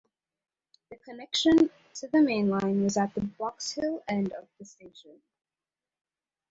The connection to the mainline was at the Box Hill end of the station.